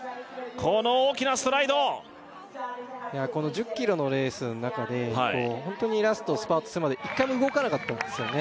この大きなストライドこの１０ｋｍのレースの中でホントにラストスパートするまで１回も動かなかったんですよね